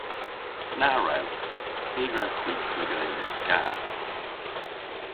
Na wrewgh! Ny wrewgh hwi triga yn skath.